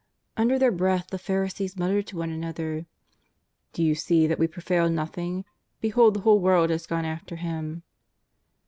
Under their breath the Pharisees muttered to one another :" Do you see that we prevail nothing ? be hold the whole world has gone after Him."